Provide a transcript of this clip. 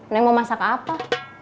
neng mau masak apa